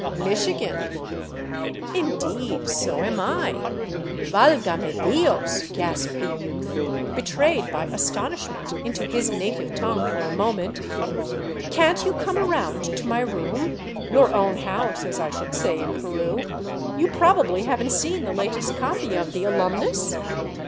" Michigan." " Indeed ! So am I." "Valgame Dios!" gasped the youth, betrayed by astonishment into his native tongue for a moment. " Can't you come around to my room, your own house, as I should say in Peru. You probably haven't seen the latest copy of the * Alumnus